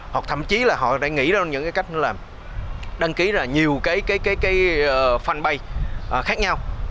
hoặc thậm chí là họ đã nghĩ ra những cái cách là đăng ký ra nhiều cái fanpage khác nhau